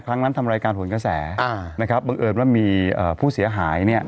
ครั้งนั้นทำรายการผลกระแสนะครับบังเอิญว่ามีผู้เสียหายเนี่ย